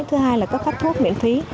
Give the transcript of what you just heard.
thứ hai là cấp phát thuốc miễn phí